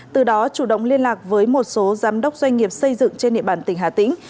từ đó chủ động liên lạc với một số giám đốc doanh nghiệp xây dựng trên địa bàn tỉnh hà tĩnh